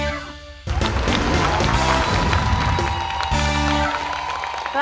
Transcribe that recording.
อ๋อมาแล้ว